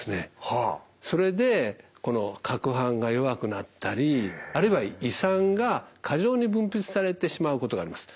それでこのかくはんが弱くなったりあるいは胃酸が過剰に分泌されてしまうことがあります。